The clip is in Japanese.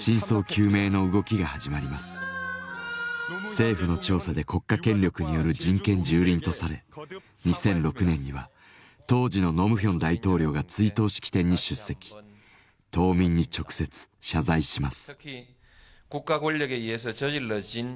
政府の調査で国家権力による人権蹂躙とされ２００６年には当時のノムヒョン大統領が追悼式典に出席島民に直接謝罪します。